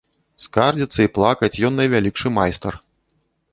Скардзіцца і плакаць ён найвялікшы майстар.